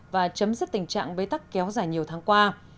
và chấm dứt tình trạng bế tắc kéo dài nhiều tháng qua